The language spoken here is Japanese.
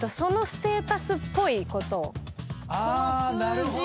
ステータスっぽいことを。